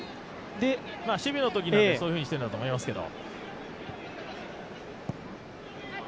守備のときはそういうふうにしているんだと思いますけど。